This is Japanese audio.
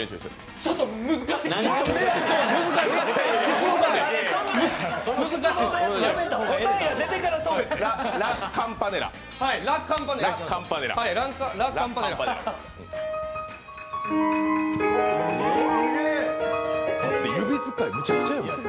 ちょっと難しい難しいっす。